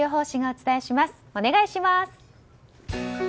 お願いします。